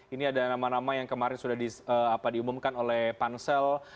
ini ada nama nama yang kemarin sudah diumumkan oleh pansel